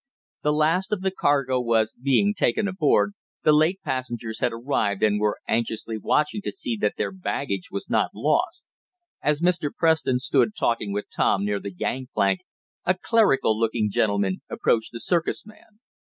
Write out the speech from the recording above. The last of the cargo was being taken aboard, the late passengers had arrived and were anxiously watching to see that their baggage was not lost. As Mr. Preston stood talking with Tom near the gangplank, a clerical looking gentleman approached the circus man.